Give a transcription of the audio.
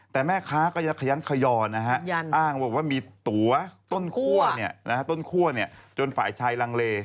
แต่แม่ค้าก็ยังขยันขย่อนนะฮะอ้างว่ามีตัวต้นคั่วจนฝ่ายชายรังเล